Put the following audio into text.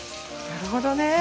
なるほどね。